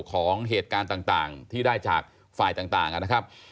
ของเหตุการณ์ต่างที่ได้จากฝ่ายต่างนะครับ